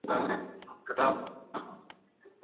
هغوی په مالي پلان کې ناکام وو.